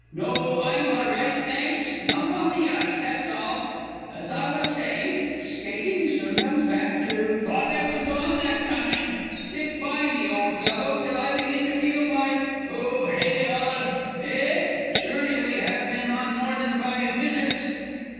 No, I'm all right, thanks lump in the ice, that's all! As I was saying, skating soon comes back to thought I was gone that time! Stick by me, old fellow, till I begin to feel my Oh, hang it all!... Eh? surely we have been on more than five minutes!